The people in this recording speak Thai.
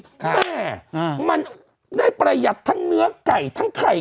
แต่มันได้ประหยัดทั้งเนื้อไก่ทั้งไข่